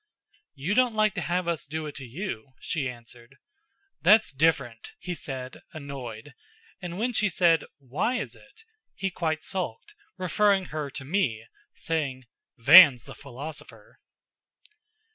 "You don't like to have us do it to you," she answered. "That's different," he said, annoyed; and when she said, "Why is it?" he quite sulked, referring her to me, saying, "Van's the philosopher."